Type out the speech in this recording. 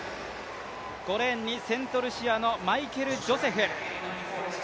５レーンにセントルシアのマイケル・ジョセフ。